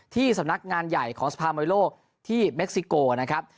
ที่สำนักงานใหญ่ของสภามวยโลกที่เม็กซิโกนะครับ